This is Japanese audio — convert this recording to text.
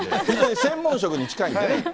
専門職に近いんでね。